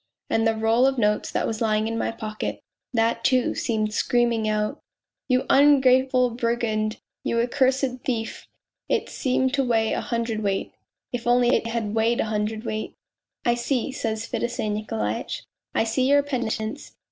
And the roll of notes that was lying in my pocket, that, too, seemed screaming out : 214 POLZUNKOV 4 You ungrateful brigand, you accursed thief !' It seemed to weigh a hundredweight ... (if only it had weighed a hundred weight !)....'! see,' says Fedosey Nikolaitch, ' I see your penitence